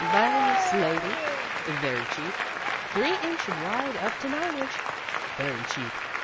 "Buy lace, lady? Very cheap: three inch wide up to nine inch. Very cheap